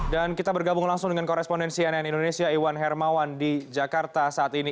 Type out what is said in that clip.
dan kita bergabung langsung dengan korespondensi ann indonesia iwan hermawan di jakarta saat ini